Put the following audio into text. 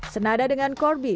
sebenarnya diputuskan hukum ini